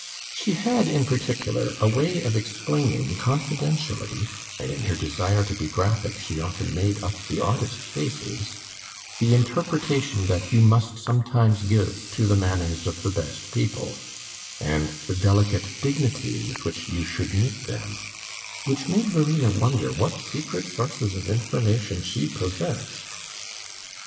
She had, in particular, a way of explaining confidentially and in her desire to be graphic she often made up the oddest faces the interpretation that you must sometimes give to the manners of the best people, and the delicate dignity with which you should meet them, which made Verena wonder what secret sources of information she possessed.